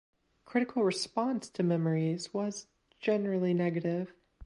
Critical response to "Memories" was generally negative.